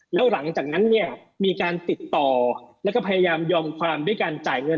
แล้วหลังจากนั้นเนี่ยมีการติดต่อแล้วก็พยายามยอมความด้วยการจ่ายเงิน